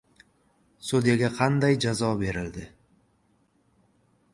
Sudyaga qanday jazo berildi?